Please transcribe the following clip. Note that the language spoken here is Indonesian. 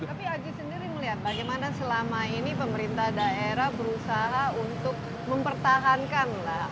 tapi aji sendiri melihat bagaimana selama ini pemerintah daerah berusaha untuk mempertahankan lah